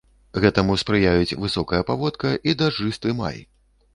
Гэтаму спрыяюць высокая паводка і дажджысты май.